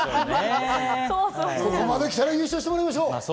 ここまで来たら優勝してもらいましょう。